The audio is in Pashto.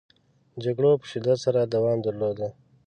جګړو په شدت سره دوام درلوده.